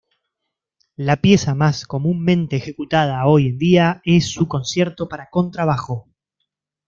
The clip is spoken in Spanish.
La pieza más comúnmente ejecutada, hoy en día, es su Concierto para contrabajo.